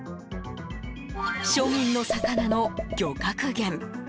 庶民の魚の漁獲減。